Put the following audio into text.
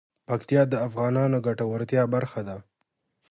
پکتیکا د افغانانو د ګټورتیا برخه ده.